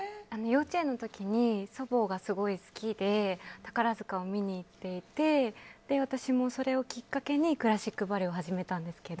幼稚園の時に祖母がすごい好きで宝塚を見に行っていて私もそれをきっかけにクラシックバレエを始めました。